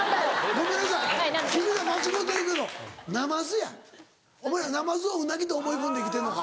ごめんなさい君ら間違うてるけどナマズやお前らナマズをウナギと思い込んで生きてるのか。